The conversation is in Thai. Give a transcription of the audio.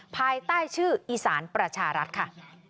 ภายใต้ชื่ออีสานประชารัฐค่ะ